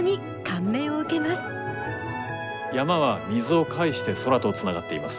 山は水を介して空とつながっています。